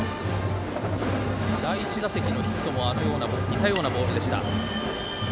第１打席のヒットも似たようなボールでした。